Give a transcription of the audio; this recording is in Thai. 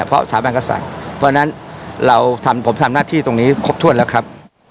เพราะสถาบันกษัตริย์เพราะฉะนั้นเราทำผมทำหน้าที่ตรงนี้ครบถ้วนแล้วครับ